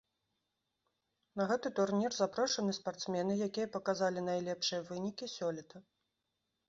На гэты турнір запрошаны спартсмены, якія паказалі найлепшыя вынікі сёлета.